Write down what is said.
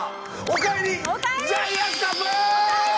おかえり！